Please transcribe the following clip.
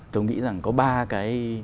tôi nghĩ rằng có ba cái